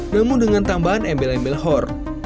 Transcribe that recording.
namun dengan tambahan embel embel hor